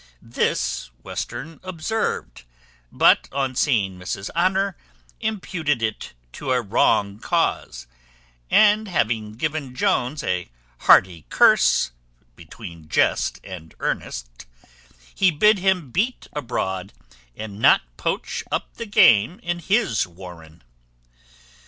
This Western observed, but, on seeing Mrs Honour, imputed it to a wrong cause; and having given Jones a hearty curse between jest and earnest, he bid him beat abroad, and not poach up the game in his warren.